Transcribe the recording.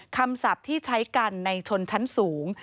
ศัพท์ที่ใช้กันในชนชั้นสูง